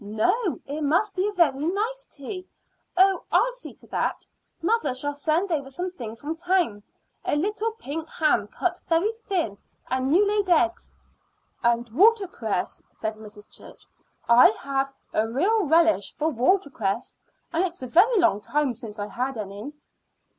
"No; it must be a very nice tea. Oh, I'll see to that. Mother shall send over some things from town a little pink ham cut very thin, and new laid eggs " "And water cress," said Mrs. Church. "I have a real relish for water cress, and it's a very long time since I had any."